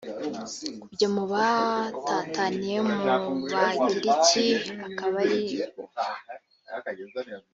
kujya mu batataniye mu bagiriki akaba ari bo